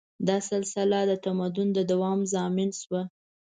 دا سلسله د تمدن د دوام ضامن شوه.